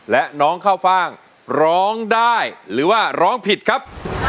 และน้องข้าวฟ่างร้องได้หรือว่าร้องผิดครับ